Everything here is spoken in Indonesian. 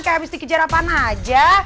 kayak habis dikejar apaan aja